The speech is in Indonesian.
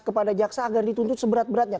kepada jaksa agar dituntut seberat beratnya